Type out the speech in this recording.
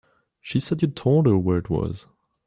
She said you told her where it was.